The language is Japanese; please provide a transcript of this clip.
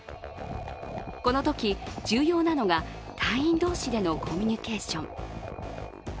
このとき、重要なのが隊員同士でのコミュニケーション。